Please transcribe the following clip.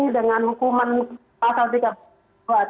dengan hukuman pasal di kabupaten